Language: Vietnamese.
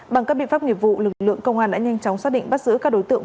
bằng các biện pháp nghiệp vụ lực lượng công an đã nhanh chóng xác định bắt giữ các đối tượng